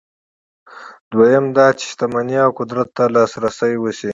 دویم دا چې شتمنۍ او قدرت ته لاسرسی وي.